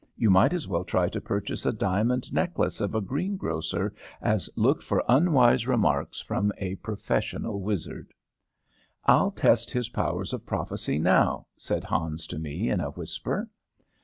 You might as well try to purchase a diamond necklace of a green grocer as look for unwise remarks from a professional wizard." "I'll test his powers of prophecy now," said Hans to me, in a whisper.